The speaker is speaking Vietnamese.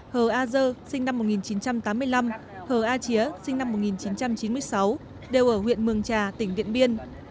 hờ a dơ sinh năm một nghìn chín trăm tám mươi năm hờ a chía sinh năm một nghìn chín trăm chín mươi sáu đều ở huyện mường trà tỉnh điện biên